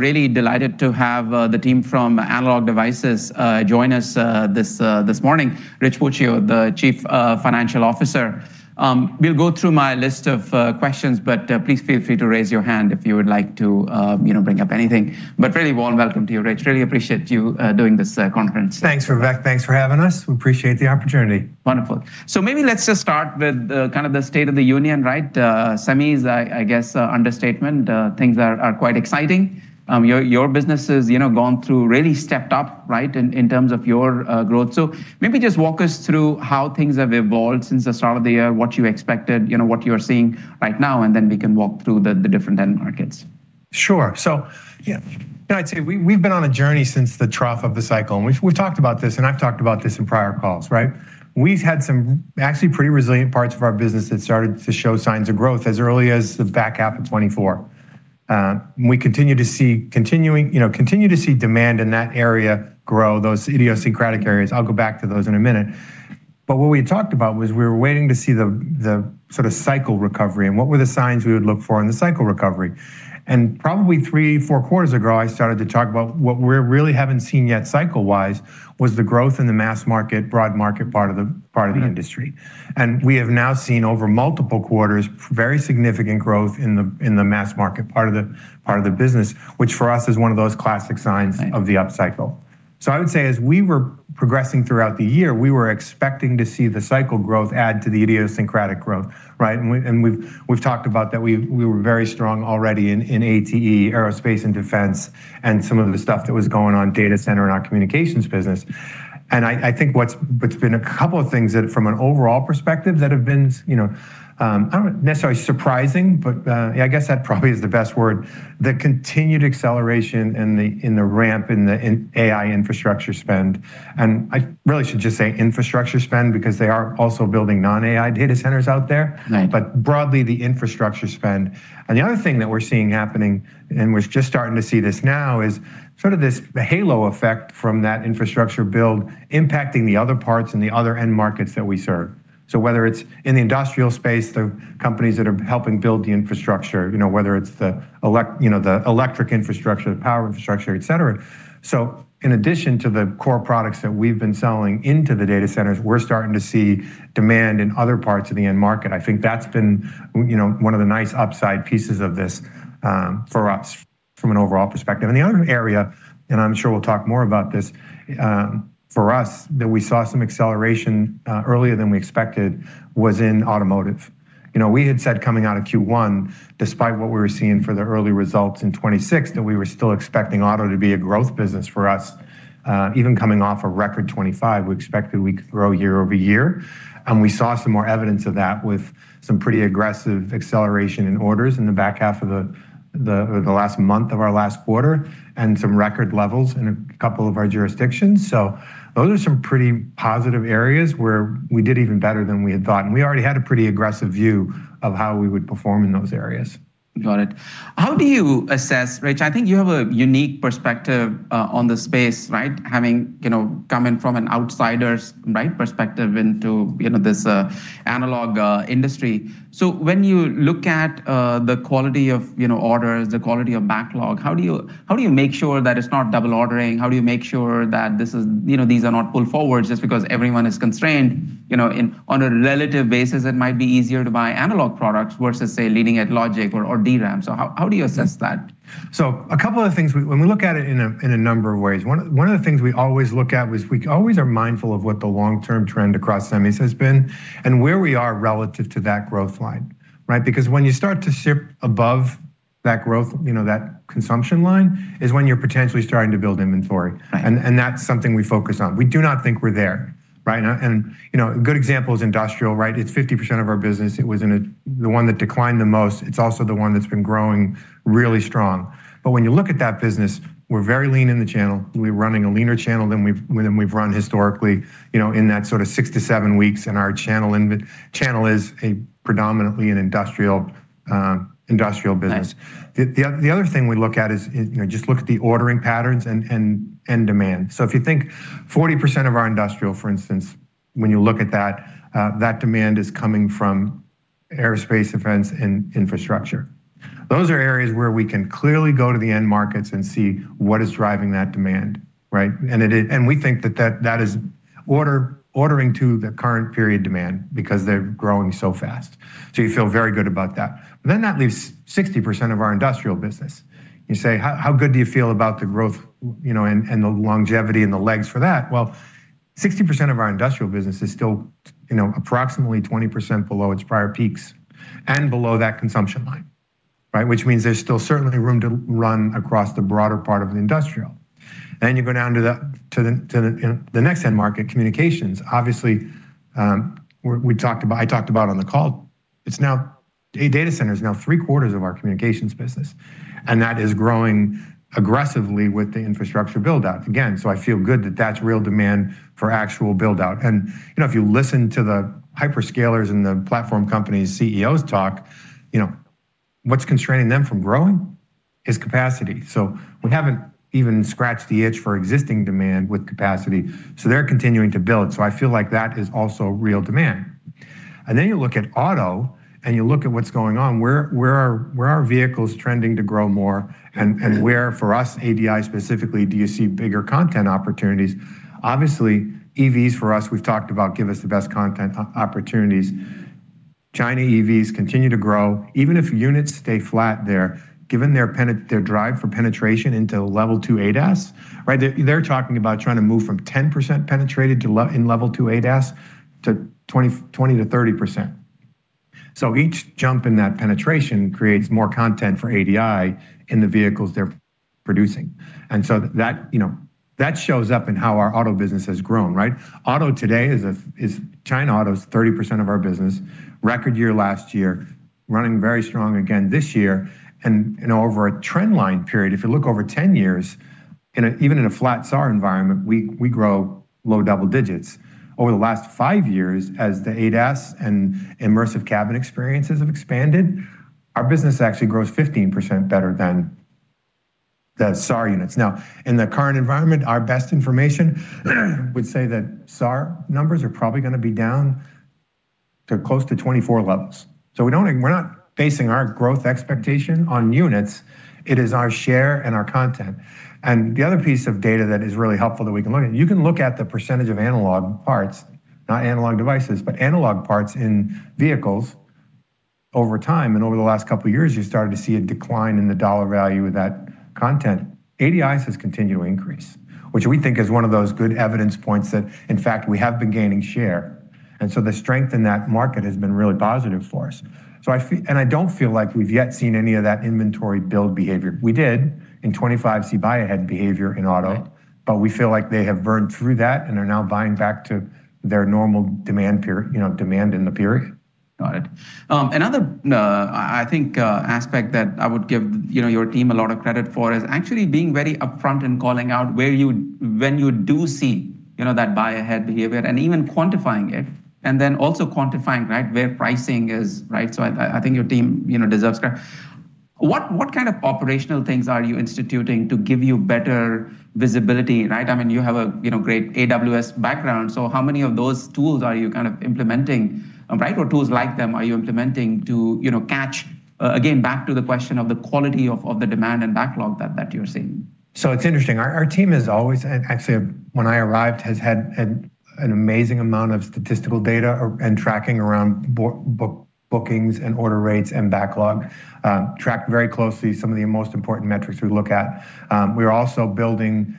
Really delighted to have the team from Analog Devices join us this morning. Richard Puccio, the Chief Financial Officer. We'll go through my list of questions, please feel free to raise your hand if you would like to bring up anything. Really warm welcome to you, Rich. Really appreciate you doing this conference. Thanks, Vivek. Thanks for having us. We appreciate the opportunity. Wonderful. Maybe let's just start with kind of the state of the union, right? Semis, I guess, understatement. Things are quite exciting. Your business has really stepped up, right, in terms of your growth. Maybe just walk us through how things have evolved since the start of the year, what you expected, what you're seeing right now, and then we can walk through the different end markets. Sure. I'd say we've been on a journey since the trough of the cycle, and we've talked about this, and I've talked about this in prior calls, right? We've had some actually pretty resilient parts of our business that started to show signs of growth as early as the back half of 2024. We continue to see demand in that area grow, those idiosyncratic areas. I'll go back to those in a minute. What we had talked about was we were waiting to see the sort of cycle recovery and what were the signs we would look for in the cycle recovery. Probably three, four quarters ago, I started to talk about what we really haven't seen yet, cycle-wise, was the growth in the mass market, broad market, part of the industry. We have now seen over multiple quarters, very significant growth in the mass market, part of the business, which for us is one of those classic signs of the upcycle. Right. I would say as we were progressing throughout the year, we were expecting to see the cycle growth add to the idiosyncratic growth, right? We've talked about that we were very strong already in ATE, Aerospace and defense, and some of the stuff that was going on, data center and our communications business. I think what's been a couple of things that from an overall perspective that have been, not necessarily surprising, but, I guess that probably is the best word, the continued acceleration in the ramp in AI infrastructure spend, and I really should just say infrastructure spend because they are also building non-AI data centers out there. Right. Broadly, the infrastructure spend. The other thing that we're seeing happening, and we're just starting to see this now, is sort of this halo effect from that infrastructure build impacting the other parts and the other end markets that we serve. Whether it's in the industrial space, the companies that are helping build the infrastructure, whether it's the electric infrastructure, the power infrastructure, et cetera. In addition to the core products that we've been selling into the data centers, we're starting to see demand in other parts of the end market. I think that's been one of the nice upside pieces of this for us from an overall perspective. The other area, and I'm sure we'll talk more about this, for us, that we saw some acceleration earlier than we expected was in automotive. We had said coming out of Q1, despite what we were seeing for the early results in 2026, that we were still expecting auto to be a growth business for us, even coming off a record 2025, we expected we could grow year-over-year. We saw some more evidence of that with some pretty aggressive acceleration in orders in the last month of our last quarter, and some record levels in a couple of our jurisdictions. Those are some pretty positive areas where we did even better than we had thought, and we already had a pretty aggressive view of how we would perform in those areas. Got it. How do you assess, Rich, I think you have a unique perspective on the space, right? Coming from an outsider's perspective into this analog industry. When you look at the quality of orders, the quality of backlog, how do you make sure that it's not double ordering? How do you make sure that these are not pulled forward just because everyone is constrained? On a relative basis, it might be easier to buy analog products versus, say, leading edge logic or DRAM. How do you assess that? A couple of things. When we look at it in a number of ways, one of the things we always look at is we always are mindful of what the long-term trend across semis has been and where we are relative to that growth line, right? When you start to ship above that consumption line is when you're potentially starting to build inventory. Right. That's something we focus on. We do not think we're there, right? A good example is industrial, right? It's 50% of our business. It was the one that declined the most. It's also the one that's been growing really strong. When you look at that business, we're very lean in the channel. We're running a leaner channel than we've run historically, in that sort of six to seven weeks in our channel, and the channel is predominantly an industrial business. Right. The other thing we look at is just look at the ordering patterns and demand. If you think 40% of our industrial, for instance, when you look at that demand is coming from Aerospace and Defense, and infrastructure. Those are areas where we can clearly go to the end markets and see what is driving that demand, right? We think that is ordering to the current period demand because they're growing so fast. You feel very good about that. That leaves 60% of our industrial business. You say, how good do you feel about the growth and the longevity and the legs for that? 60% of our industrial business is still approximately 20% below its prior peaks and below that consumption line, right? Which means there's still certainly room to run across the broader part of the industrial. You go down to the next end market, communications. Obviously, I talked about on the call, data center is now three-quarters of our communications business, and that is growing aggressively with the infrastructure build-out. Again, I feel good that that's real demand for actual build-out. If you listen to the hyperscalers and the platform companies' CEOs talk, what's constraining them from growing is capacity. We haven't even scratched the itch for existing demand with capacity. They're continuing to build. I feel like that is also real demand. You look at auto and you look at what's going on, where are vehicles trending to grow more and where, for us, Analog Devices specifically, do you see bigger content opportunities? Obviously, EVs for us, we've talked about give us the best content opportunities. China EVs continue to grow. Even if units stay flat there, given their drive for penetration into Level 2 ADAS. They're talking about trying to move from 10% penetrated in Level 2 ADAS to 20%-30%. Each jump in that penetration creates more content for Analog Devices in the vehicles they're producing. That shows up in how our auto business has grown. Auto today is, China auto is 30% of our business, record year last year, running very strong again this year and over a trend line period. If you look over 10 years, even in a flat SAAR environment, we grow low double digits. Over the last five years, as the ADAS and immersive cabin experiences have expanded, our business actually grows 15% better than the SAAR units. In the current environment, our best information would say that SAAR numbers are probably going to be down to close to 2024 levels. We're not basing our growth expectation on units. It is our share and our content. The other piece of data that is really helpful that we can look at, you can look at the percentage of analog parts, not Analog Devices, but analog parts in vehicles over time. Over the last couple of years, you started to see a decline in the dollar value of that content. Analog Devices' has continued to increase, which we think is one of those good evidence points that, in fact, we have been gaining share, the strength in that market has been really positive for us. I don't feel like we've yet seen any of that inventory build behavior. We did in 2025 see buy-ahead behavior in auto, but we feel like they have burned through that and are now buying back to their normal demand in the period. Got it. Another, I think, aspect that I would give your team a lot of credit for is actually being very upfront in calling out when you do see that buy-ahead behavior and even quantifying it, and then also quantifying where pricing is. I think your team deserves credit. What kind of operational things are you instituting to give you better visibility? You have a great AWS background. How many of those tools are you implementing, or tools like them are you implementing to catch, again, back to the question of the quality of the demand and backlog that you're seeing? It's interesting. Our team has always, and actually when I arrived, has had an amazing amount of statistical data and tracking around bookings and order rates and backlog, tracked very closely some of the most important metrics we look at. We're also building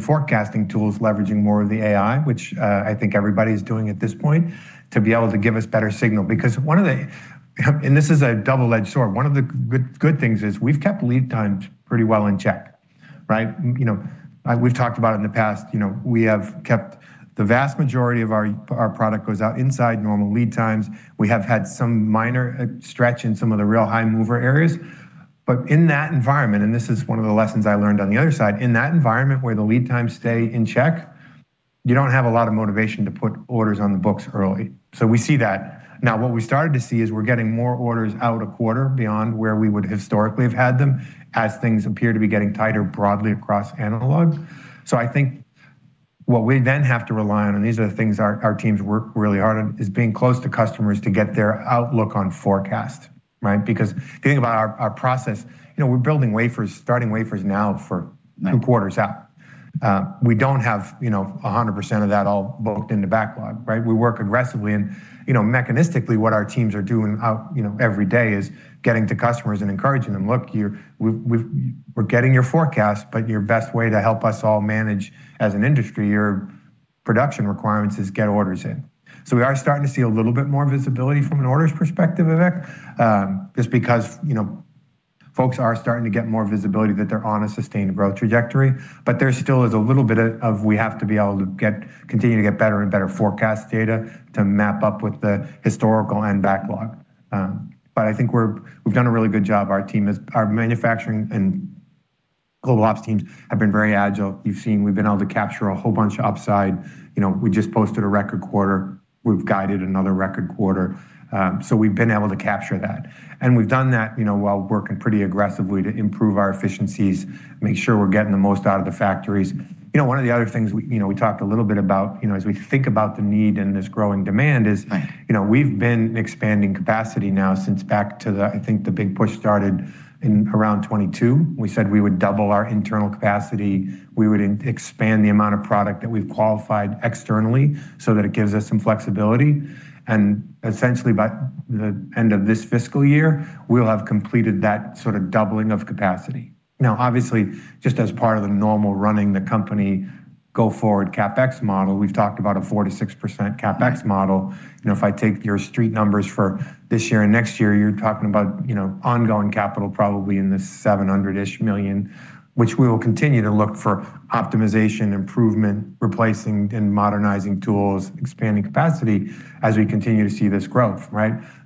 forecasting tools, leveraging more of the AI, which I think everybody's doing at this point, to be able to give us better signal. This is a double-edged sword. One of the good things is we've kept lead times pretty well in check. We've talked about it in the past. We have kept the vast majority of our product goes out inside normal lead times. We have had some minor stretch in some of the real high mover areas. In that environment, and this is one of the lessons I learned on the other side, in that environment where the lead times stay in check, you don't have a lot of motivation to put orders on the books early. We see that. Now, what we started to see is we're getting more orders out a quarter beyond where we would historically have had them as things appear to be getting tighter broadly across Analog. I think what we then have to rely on, and these are the things our teams work really hard on, is being close to customers to get their outlook on forecast. If you think about our process, we're building wafers, starting wafers now for two quarters out. We don't have 100% of that all booked in the backlog. We work aggressively and mechanistically, what our teams are doing every day is getting to customers and encouraging them, "Look, we're getting your forecast, but your best way to help us all manage as an industry your production requirements is get orders in." We are starting to see a little bit more visibility from an orders perspective, Vivek, just because folks are starting to get more visibility that they're on a sustained growth trajectory. There still is a little bit of, we have to be able to continue to get better and better forecast data to map up with the historical and backlog. I think we've done a really good job. Our manufacturing and global ops teams have been very agile. You've seen we've been able to capture a whole bunch of upside. We just posted a record quarter. We've guided another record quarter. We've been able to capture that, and we've done that while working pretty aggressively to improve our efficiencies, make sure we're getting the most out of the factories. One of the other things we talked a little bit about, as we think about the need and this growing demand is. Right We've been expanding capacity now since back to the big push started in around 2022. We said we would double our internal capacity. We would expand the amount of product that we've qualified externally so that it gives us some flexibility. Essentially, by the end of this fiscal year, we'll have completed that sort of doubling of capacity. Obviously, just as part of the normal running the company go forward CapEx model, we've talked about a 4%-6% CapEx model. If I take your street numbers for this year and next year, you're talking about ongoing capital probably in the $700 million, which we will continue to look for optimization, improvement, replacing, and modernizing tools, expanding capacity as we continue to see this growth.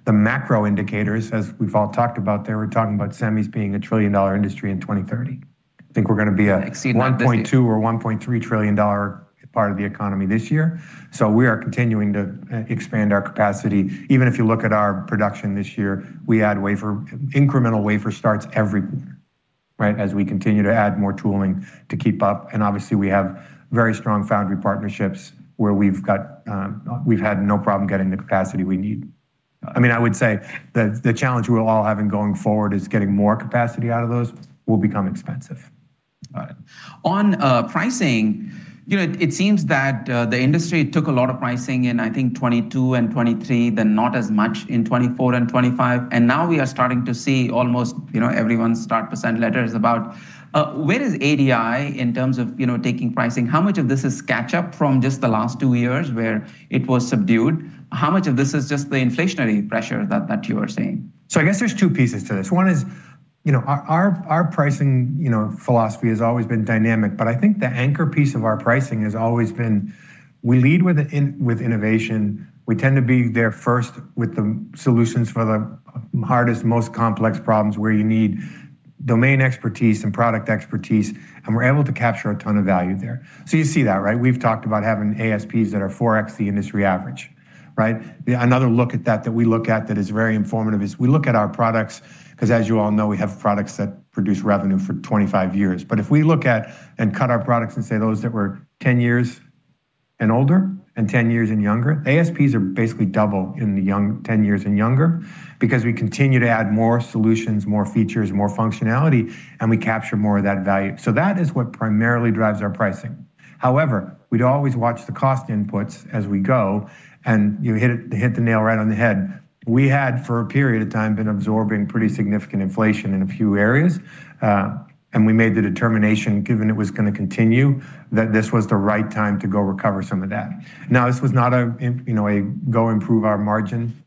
The macro indicators, as we've all talked about, we're talking about semis being a trillion-dollar industry in 2030. I think we're going to be Exceed that this year. $1.2 trillion or $1.3 trillion part of the economy this year. We are continuing to expand our capacity. Even if you look at our production this year, we add incremental wafer starts every. Right? As we continue to add more tooling to keep up, and obviously we have very strong foundry partnerships where we've had no problem getting the capacity we need. I would say that the challenge we're all having going forward is getting more capacity out of those will become expensive. Got it. On pricing, it seems that the industry took a lot of pricing in, I think, 2022 and 2023, then not as much in 2024 and 2025. Now we are starting to see almost everyone start to send letters about where is Analog Devices in terms of taking pricing. How much of this is catch-up from just the last two years where it was subdued? How much of this is just the inflationary pressure that you are seeing? I guess there's two pieces to this. One is our pricing philosophy has always been dynamic, but I think the anchor piece of our pricing has always been, we lead with innovation. We tend to be there first with the solutions for the hardest, most complex problems where you need domain expertise and product expertise, and we're able to capture a ton of value there. You see that, right? We've talked about having ASPs that are 4x the industry average. Right? Another look at that we look at that is very informative is we look at our products, because as you all know, we have products that produce revenue for 25 years. If we look at and cut our products and say those that were 10 years and older and 10 years and younger, ASPs are basically double in the 10 years and younger because we continue to add more solutions, more features, more functionality, and we capture more of that value. That is what primarily drives our pricing. However, we'd always watch the cost inputs as we go, and you hit the nail right on the head. We had, for a period of time, been absorbing pretty significant inflation in a few areas. We made the determination, given it was going to continue, that this was the right time to go recover some of that. Now, this was not a go improve our margin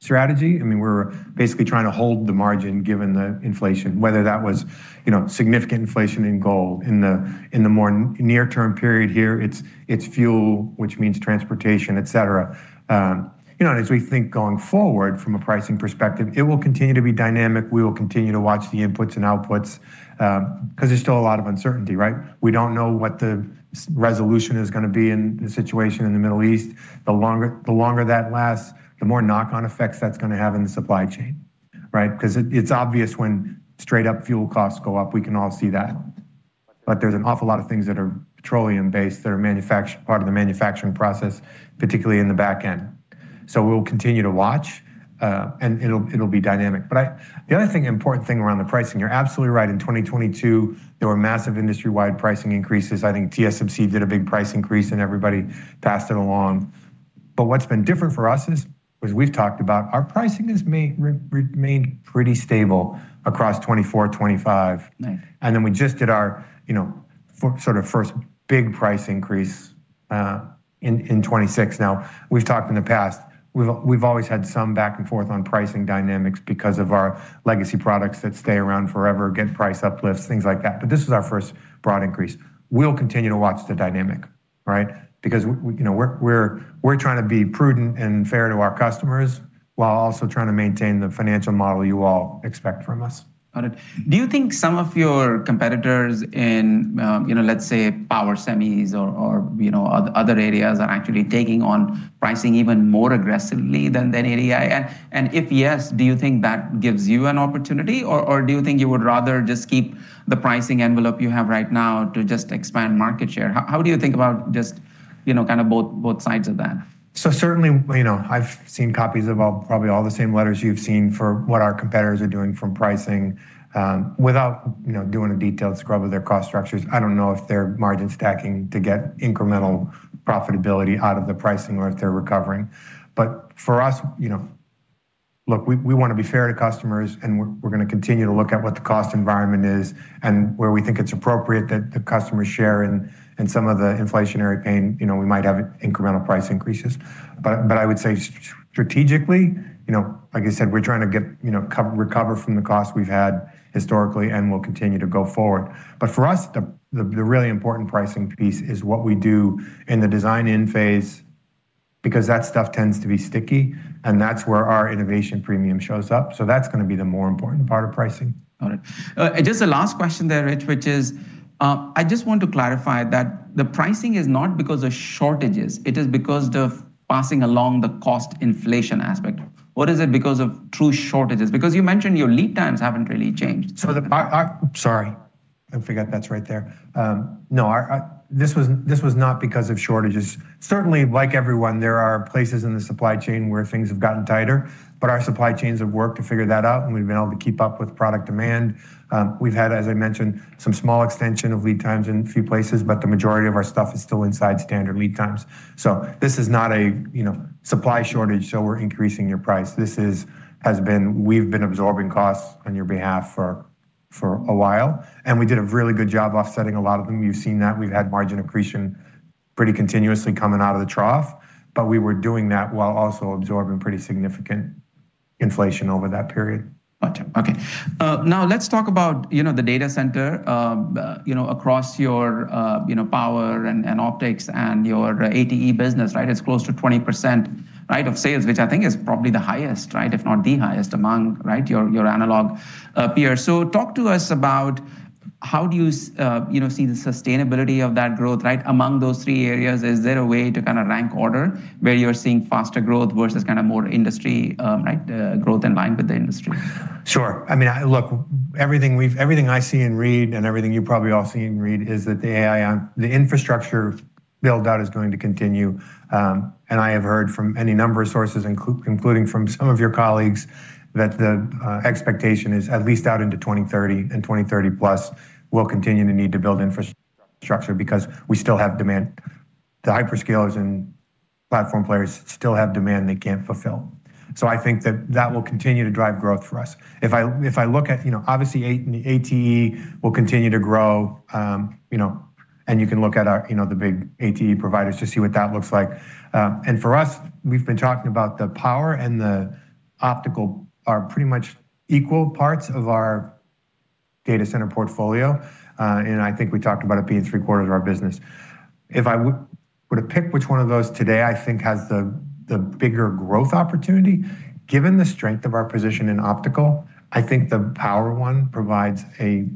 strategy. We're basically trying to hold the margin given the inflation, whether that was significant inflation in gold. In the more near-term period here, it's fuel, which means transportation, et cetera. We think going forward from a pricing perspective, it will continue to be dynamic. We will continue to watch the inputs and outputs, because there's still a lot of uncertainty, right? We don't know what the resolution is going to be in the situation in the Middle East. The longer that lasts, the more knock-on effects that's going to have in the supply chain. Right? It's obvious when straight-up fuel costs go up. We can all see that. There's an awful lot of things that are petroleum-based that are part of the manufacturing process, particularly in the back end. We'll continue to watch, and it'll be dynamic. The other important thing around the pricing, you're absolutely right. In 2022, there were massive industry-wide pricing increases. I think TSMC did a big price increase, and everybody passed it along. What's been different for us is, as we've talked about, our pricing has remained pretty stable across 2024, 2025. Nice. We just did our first big price increase in 2026 now. We've talked in the past, we've always had some back and forth on pricing dynamics because of our legacy products that stay around forever, get price uplifts, things like that. This is our first broad increase. We'll continue to watch the dynamic, right? Because we're trying to be prudent and fair to our customers while also trying to maintain the financial model you all expect from us. Got it. Do you think some of your competitors in, let's say, power semis or other areas are actually taking on pricing even more aggressively than Analog Devices? If yes, do you think that gives you an opportunity, or do you think you would rather just keep the pricing envelope you have right now to just expand market share? How do you think about both sides of that? Certainly, I've seen copies of probably all the same letters you've seen for what our competitors are doing from pricing. Without doing a detailed scrub of their cost structures, I don't know if they're margin stacking to get incremental profitability out of the pricing or if they're recovering. For us, look, we want to be fair to customers, and we're going to continue to look at what the cost environment is and where we think it's appropriate that the customers share in some of the inflationary pain. We might have incremental price increases. I would say strategically, like I said, we're trying to recover from the cost we've had historically and will continue to go forward. For us, the really important pricing piece is what we do in the design-in phase, because that stuff tends to be sticky, and that's where our innovation premium shows up. That's going to be the more important part of pricing. Got it. Just the last question there, Rich, which is, I just want to clarify that the pricing is not because of shortages. It is because of passing along the cost inflation aspect. What is it because of true shortages, because you mentioned your lead times haven't really changed? Sorry. I forgot that's right there. This was not because of shortages. Certainly, like everyone, there are places in the supply chain where things have gotten tighter, but our supply chains have worked to figure that out, and we've been able to keep up with product demand. We've had, as I mentioned, some small extension of lead times in a few places, but the majority of our stuff is still inside standard lead times. This is not a supply shortage, so we're increasing your price. This is we've been absorbing costs on your behalf for a while, and we did a really good job offsetting a lot of them. You've seen that we've had margin accretion pretty continuously coming out of the trough. We were doing that while also absorbing pretty significant inflation over that period. Got you. Okay. Let's talk about the data center, across your power and optics and your ATE business, right? It's close to 20% of sales, which I think is probably the highest, if not the highest among your analog peers. How do you see the sustainability of that growth? Among those three areas, is there a way to rank order where you're seeing faster growth versus more industry, growth in line with the industry? Sure. Look, everything I see and read, and everything you probably all see and read, is that the AI, the infrastructure build-out is going to continue. I have heard from any number of sources, including from some of your colleagues, that the expectation is at least out into 2030 and 2030 plus will continue to need to build infrastructure because we still have demand. The hyperscalers and platform players still have demand they can't fulfill. I think that that will continue to drive growth for us. If I look at, obviously ATE will continue to grow, and you can look at the big ATE providers to see what that looks like. For us, we've been talking about the power and the optical are pretty much equal parts of our data center portfolio. I think we talked about it being three-quarters of our business. If I were to pick which one of those today I think has the bigger growth opportunity, given the strength of our position in optical, I think the power one provides a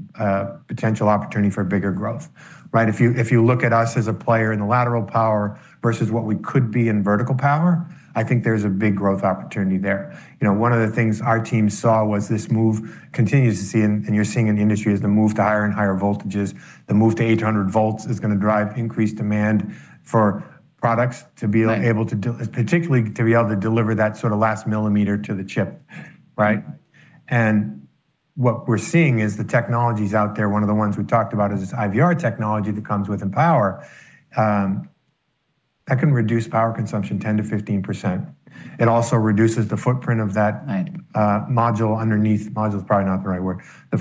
potential opportunity for bigger growth. If you look at us as a player in the lateral power versus what we could be in vertical power, I think there's a big growth opportunity there. One of the things our team saw was this move, continues to see, and you're seeing in the industry, is the move to higher and higher voltages. The move to 800 V is going to drive increased demand for products to be able to, particularly to be able to deliver that last millimeter to the chip. Right. What we're seeing is the technologies out there, one of the ones we talked about is this IVR technology that comes within power. That can reduce power consumption 10%-15%. It also reduces the footprint of that- Right module underneath. Module's probably not the right word. The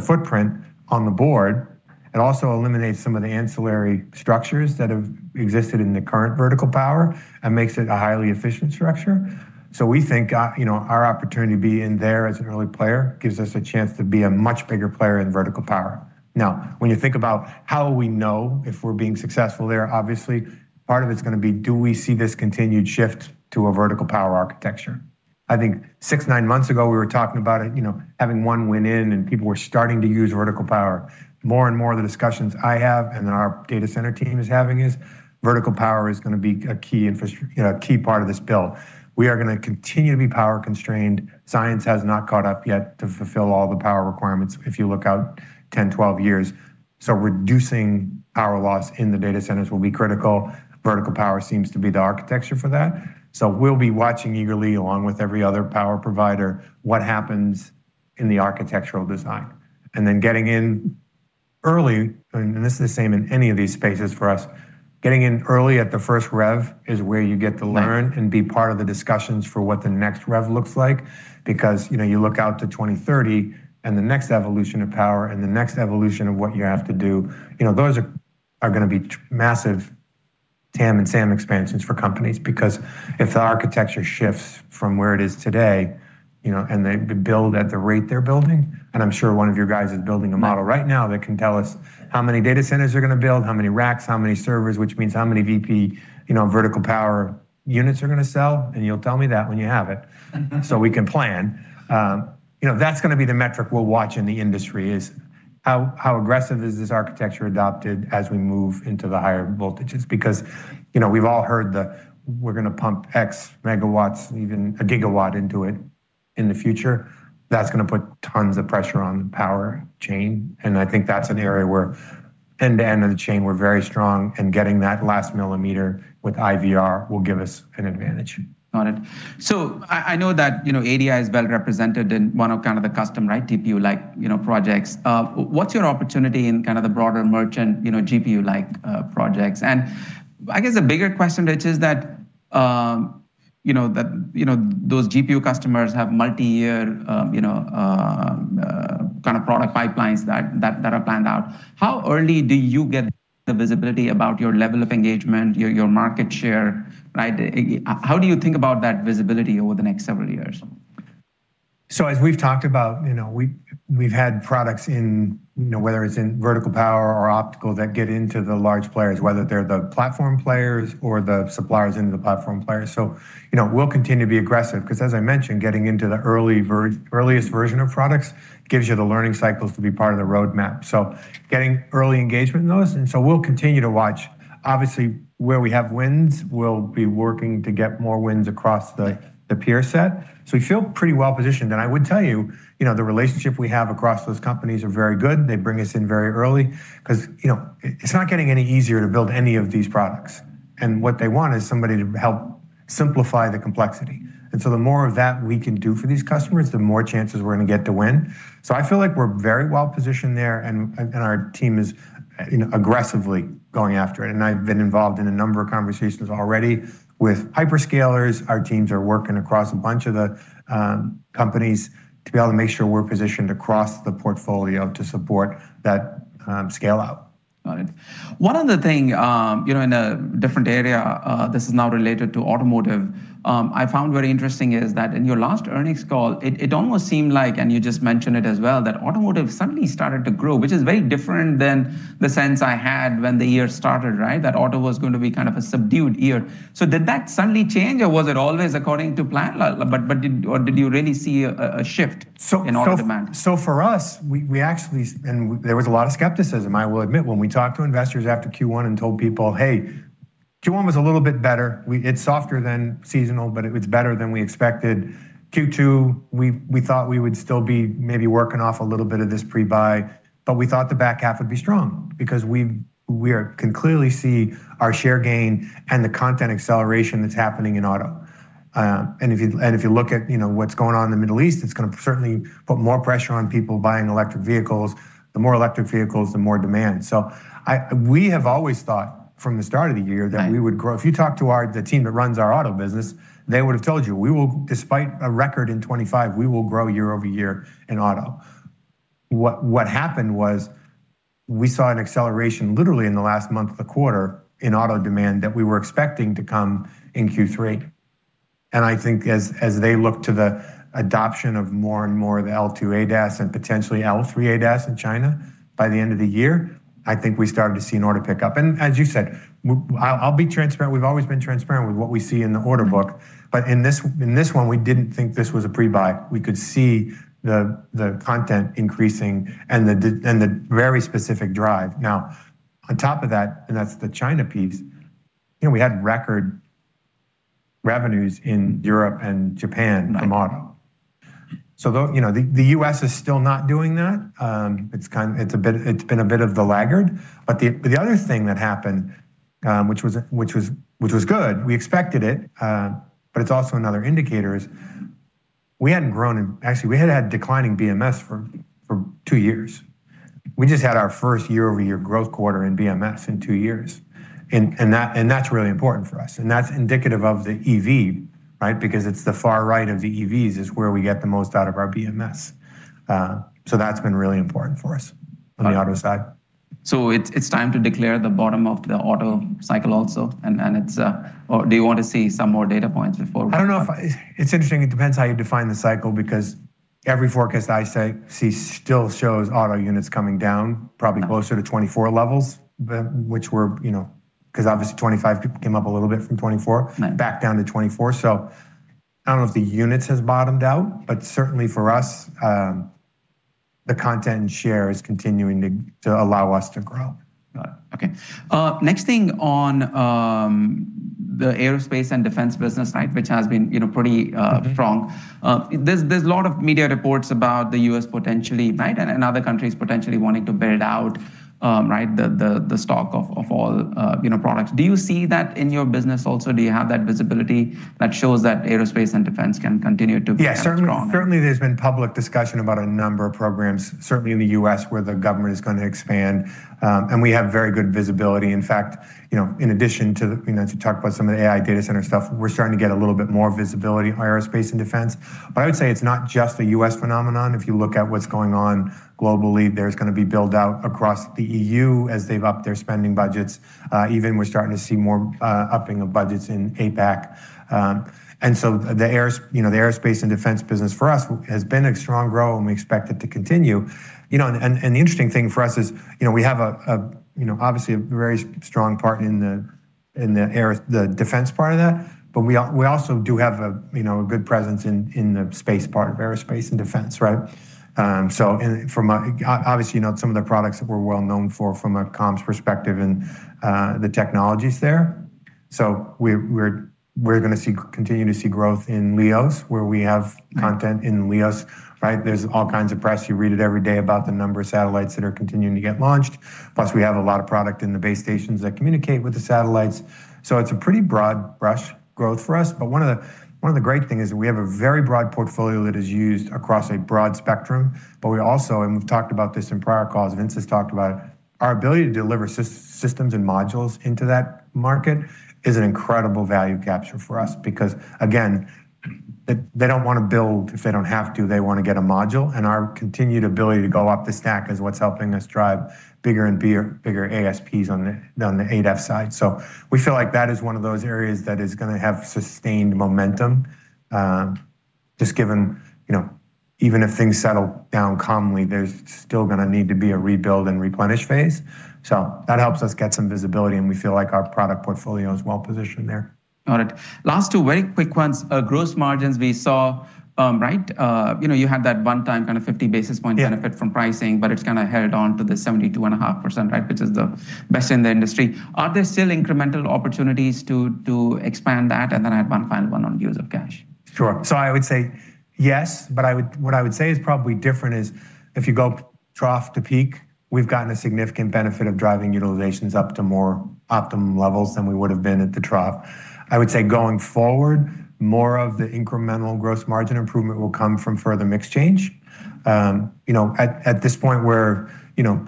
footprint on the board. It also eliminates some of the ancillary structures that have existed in the current vertical power and makes it a highly efficient structure. We think our opportunity to be in there as an early player gives us a chance to be a much bigger player in vertical power. When you think about how we know if we're being successful there, obviously part of it's going to be, do we see this continued shift to a vertical power architecture? I think six, nine months ago, we were talking about it, having one win in, and people were starting to use vertical power. More and more of the discussions I have and our data center team is having is, vertical power is going to be a key part of this build. We are going to continue to be power constrained. Science has not caught up yet to fulfill all the power requirements if you look out 10 years, 12 years. Reducing power loss in the data centers will be critical. Vertical power seems to be the architecture for that. We'll be watching eagerly, along with every other power provider, what happens in the architectural design. Getting in early, and this is the same in any of these spaces for us, getting in early at the first rev is where you get to learn and be part of the discussions for what the next rev looks like. You look out to 2030 and the next evolution of power and the next evolution of what you have to do, those are going to be massive TAM and SAM expansions for companies. If the architecture shifts from where it is today, and they build at the rate they're building, and I'm sure one of your guys is building a model right now that can tell us how many data centers they're going to build, how many racks, how many servers, which means how many VP, vertical power units are going to sell, and you'll tell me that when you have it, so we can plan. That's going to be the metric we'll watch in the industry is, how aggressive is this architecture adopted as we move into the higher voltages? We've all heard the, we're going to pump X megawatts, even a gigawatt into it in the future. That's going to put tons of pressure on the power chain, and I think that's an area where end-to-end of the chain, we're very strong, and getting that last millimeter with IVR will give us an advantage. Got it. I know that Analog Devices is well-represented in one of the custom TPU-like projects. What's your opportunity in the broader merchant GPU-like projects? I guess a bigger question, which is that those GPU customers have multi-year product pipelines that are planned out. How early do you get the visibility about your level of engagement, your market share? How do you think about that visibility over the next several years? As we've talked about, we've had products in, whether it's in vertical power or optical, that get into the large players, whether they're the platform players or the suppliers into the platform players. We'll continue to be aggressive, because as I mentioned, getting into the earliest version of products gives you the learning cycles to be part of the roadmap. Getting early engagement in those, and so we'll continue to watch. Obviously, where we have wins, we'll be working to get more wins across the peer set. We feel pretty well-positioned, and I would tell you, the relationship we have across those companies are very good. They bring us in very early because it's not getting any easier to build any of these products. What they want is somebody to help simplify the complexity. The more of that we can do for these customers, the more chances we're going to get to win. I feel like we're very well-positioned there, and our team is aggressively going after it, and I've been involved in a number of conversations already with hyperscalers. Our teams are working across a bunch of the companies to be able to make sure we're positioned across the portfolio to support that scale-out. Got it. One other thing, in a different area, this is now related to automotive. I found very interesting is that in your last earnings call, it almost seemed like, and you just mentioned it as well, that automotive suddenly started to grow, which is very different than the sense I had when the year started, that auto was going to be a subdued year. Did that suddenly change, or was it always according to plan? Or did you really see a shift in order demand? For us, and there was a lot of skepticism, I will admit, when we talked to investors after Q1 and told people, "Hey, Q1 was a little bit better. It's softer than seasonal, but it was better than we expected. Q2, we thought we would still be maybe working off a little bit of this pre-buy, but we thought the back half would be strong because we can clearly see our share gain and the content acceleration that's happening in auto. If you look at what's going on in the Middle East, it's going to certainly put more pressure on people buying electric vehicles. The more electric vehicles, the more demand. We have always thought from the start of the year that we would grow. If you talk to the team that runs our auto business, they would've told you, despite a record in 2025, we will grow year-over-year in auto. What happened was we saw an acceleration literally in the last month of the quarter in auto demand that we were expecting to come in Q3. I think as they look to the adoption of more and more of the L2 ADAS and potentially L3 ADAS in China by the end of the year, I think we started to see an order pickup. As you said, I'll be transparent. We've always been transparent with what we see in the order book. In this one, we didn't think this was a pre-buy. We could see the content increasing and the very specific drive. Now, on top of that, and that's the China piece, we had record revenues in Europe and Japan from auto. Nice. The U.S. is still not doing that. It's been a bit of the laggard. The other thing that happened, which was good, we expected it, but it's also another indicator, is we hadn't grown. Actually, we had had declining BMS for two years. We just had our first year-over-year growth quarter in BMS in two years, and that's really important for us. That's indicative of the EV, because it's the far right of the EVs is where we get the most out of our BMS. That's been really important for us on the auto side. It's time to declare the bottom of the auto cycle also, or do you want to see some more data points? I don't know. It's interesting. It depends how you define the cycle, because every forecast I see still shows auto units coming down probably closer to 2024 levels, because obviously 2025 came up a little bit from 2024. Right. Back down to 2024. I don't know if the units has bottomed out, certainly for us, the content and share is continuing to allow us to grow. Got it. Okay. Next thing on the Aerospace and Defense business side, which has been pretty strong. There's a lot of media reports about the U.S. and other countries potentially wanting to build out the stock of all products. Do you see that in your business also? Do you have that visibility that shows that Aerospace and Defense can continue to be that strong? Yeah. Certainly, there's been public discussion about a number of programs, certainly in the U.S., where the government is going to expand. We have very good visibility. In fact, in addition to talk about some of the AI data center stuff, we're starting to get a little bit more visibility on Aerospace and Defense. I would say it's not just a U.S. phenomenon. If you look at what's going on globally, there's going to be build-out across the EU as they've upped their spending budgets. Even we're starting to see more upping of budgets in APAC. The Aerospace and Defense business for us has been a strong growth, and we expect it to continue. The interesting thing for us is we have obviously a very strong part in the defense part of that, but we also do have a good presence in the space part of Aerospace and Defense, right? Obviously, some of the products that we're well-known for from a comms perspective and the technologies there. We're going to continue to see growth in LEOs, where we have content in LEOs. There's all kinds of press, you read it every day about the number of satellites that are continuing to get launched. Plus, we have a lot of product in the base stations that communicate with the satellites. It's a pretty broad brush growth for us. One of the great things is we have a very broad portfolio that is used across a broad spectrum. We also, and we've talked about this in prior calls, Vince has talked about our ability to deliver systems and modules into that market is an incredible value capture for us. Again, they don't want to build if they don't have to. They want to get a module, and our continued ability to go up the stack is what's helping us drive bigger and bigger ASPs on the ADEF side. We feel like that is one of those areas that is going to have sustained momentum. Just given, even if things settle down calmly, there's still going to need to be a rebuild and replenish phase. That helps us get some visibility, and we feel like our product portfolio is well-positioned there. Got it. Last two very quick ones. Gross margins we saw. You had that one time kind of 50 basis point. Yeah Benefit from pricing, but it's kind of held on to the 72.5%, which is the best in the industry. Are there still incremental opportunities to expand that? I have one final one on use of cash. Sure. I would say yes, but what I would say is probably different is if you go trough to peak, we've gotten a significant benefit of driving utilizations up to more optimum levels than we would've been at the trough. I would say going forward, more of the incremental gross margin improvement will come from further mix change. At this point, we're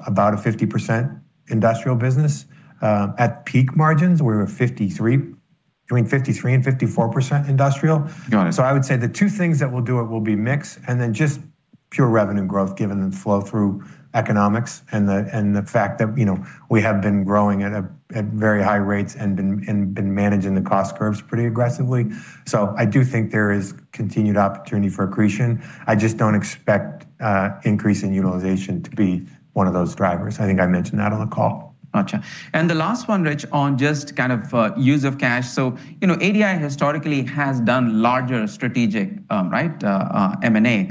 about a 50% industrial business. At peak margins, we're between 53% and 54% industrial. Got it. I would say the two things that will do it will be mix and then just pure revenue growth, given the flow through economics and the fact that we have been growing at very high rates and been managing the cost curves pretty aggressively. I do think there is continued opportunity for accretion. I just don't expect increasing utilization to be one of those drivers. I think I mentioned that on the call. Got you. The last one, Rich, on just kind of use of cash. Analog Devices historically has done larger strategic M&A.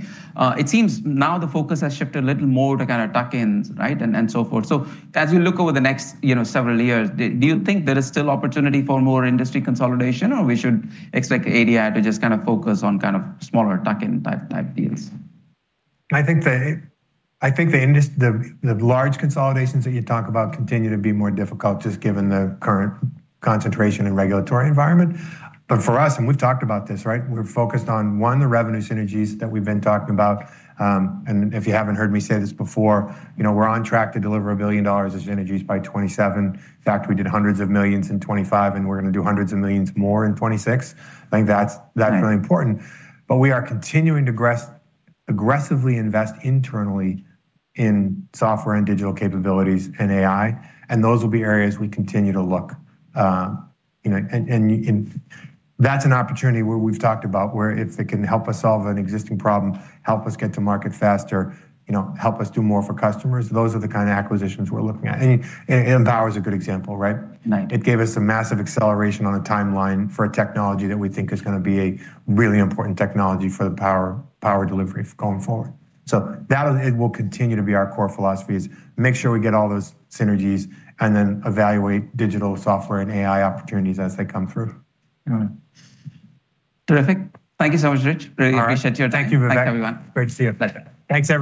It seems now the focus has shifted a little more to kind of tuck-ins and so forth. As you look over the next several years, do you think there is still opportunity for more industry consolidation, or we should expect Analog Devices to just kind of focus on kind of smaller tuck-in type deals? I think the large consolidations that you talk about continue to be more difficult just given the current concentration and regulatory environment. For us, and we've talked about this. We're focused on, one, the revenue synergies that we've been talking about. If you haven't heard me say this before, we're on track to deliver $1 billion as synergies by 2027. In fact, we did hundreds of millions in 2025, and we're going to do hundreds of millions more in 2026. I think that's really important. We are continuing to aggressively invest internally in software and digital capabilities and AI, and those will be areas we continue to look. That's an opportunity where we've talked about where if it can help us solve an existing problem, help us get to market faster, help us do more for customers. Those are the kind of acquisitions we're looking at. Empower's a good example, right? Right. It gave us a massive acceleration on a timeline for a technology that we think is going to be a really important technology for the power delivery going forward. That it will continue to be our core philosophy is make sure we get all those synergies and then evaluate digital software and AI opportunities as they come through. Got it. Terrific. Thank you so much, Rich. Really appreciate your time. All right. Thank you, Vivek. Thanks, everyone. Great to see you. Pleasure. Thanks, everyone.